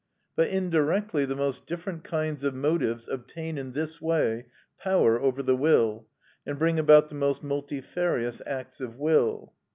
But indirectly the most different kinds of motives obtain in this way power over the will, and bring about the most multifarious acts of will.